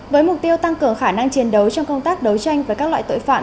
với mục tiêu tăng cường khả năng chiến đấu trong công tác đấu tranh với các loại tội phạm